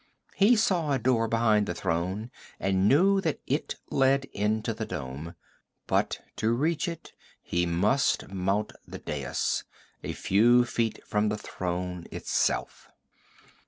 He saw a door behind the throne and knew that it led into the dome. But to reach it he must mount the dais, a few feet from the throne itself.